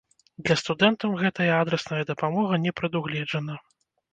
Для студэнтаў гэтая адрасная дапамога не прадугледжана.